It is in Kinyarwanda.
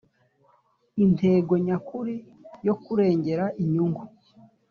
intego nyakuri yo kurengera inyungu